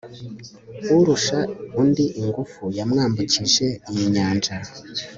urusha undi ingufu yamwambukije iyi nyanja